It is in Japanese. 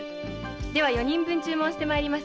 では四人分注文して参ります。